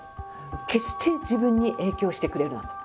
決して自分に影響してくれるなと。